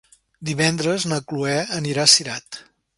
Divendres na Cloè anirà a Cirat.